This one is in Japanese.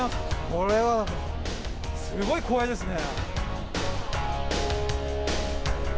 これは、すごい、怖いですね。